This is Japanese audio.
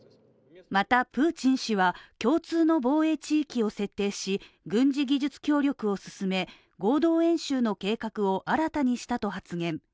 また、プーチン氏は共通の防衛地域を設定し軍事技術協力を進め、合同演習の計画を新たにしたと発言。